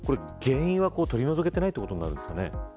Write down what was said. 原因は取り除けてないとということになるんですかね。